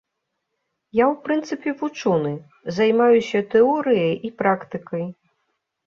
Я ў прынцыпе вучоны, займаюся тэорыяй і практыкай.